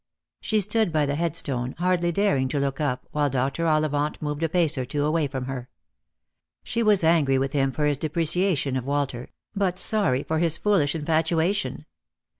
She stood by the headstone, hardly daring to look up, while Dr. Ollivant moved a pace or two away from her. She was angry with him for his depreciation of Walter, but sorry for his foolish infatuation.